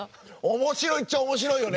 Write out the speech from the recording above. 面白いっちゃ面白いよね。